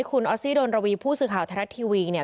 คุณออสซี่ดนระวีผู้สื่อข่าวไทยรัฐทีวีเนี่ย